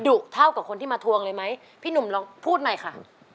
เท่ากับคนที่มาทวงเลยไหมพี่หนุ่มลองพูดใหม่ค่ะ